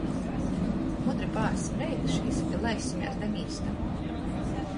Mudri paēssim reitiškys i laissimēs da mīstam.